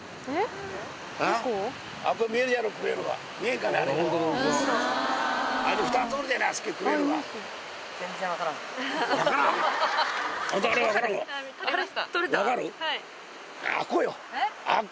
えっ？